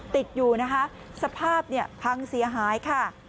ติดอยู่นะคะสภาพเนี่ยพังเสียหายค่ะ